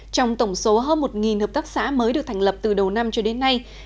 trong tổng số hơn một hợp tác xã mới được thành lập từ đầu năm cho đến nay